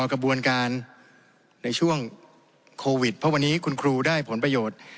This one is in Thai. กระบวนการในช่วงโควิดเพราะวันนี้คุณครูได้ผลประโยชน์